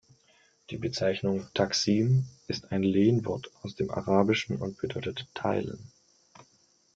Die Bezeichnung „Taksim“ ist ein Lehnwort aus dem Arabischen und bedeutet „teilen“.